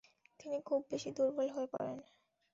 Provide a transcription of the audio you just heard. তিনি খুব বেশি দুর্বল হয়ে পড়েন।